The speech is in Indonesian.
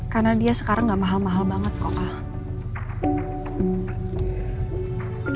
karena dia sekarang gak mahal mahal banget kok al